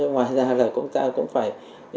ngoài ra là chúng ta cũng phải